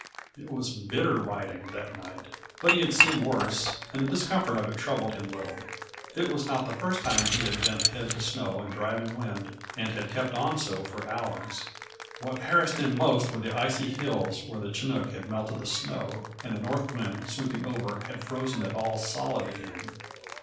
It was bitter riding, that night, but he had seen worse and the discomfort of it troubled him little; it was not the first time he had bent head to snow and driving wind and had kept on so for hours. What harassed him most were the icy hills where the chinook had melted the snow, and the north wind, sweeping over, had frozen it all solid again.